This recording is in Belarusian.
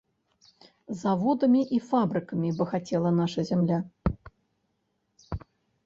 Заводамі і фабрыкамі багацела наша зямля.